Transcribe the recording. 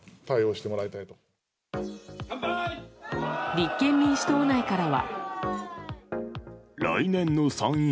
立憲民主党内からは。